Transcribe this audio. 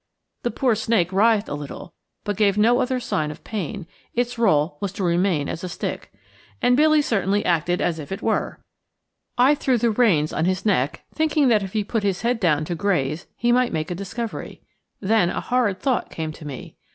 The poor snake writhed a little, but gave no other sign of pain; its rôle was to remain a stick. And Billy certainly acted as if it were. I threw the reins on his neck, thinking that if he put his head down to graze he might make a discovery. Then a horrid thought came to me.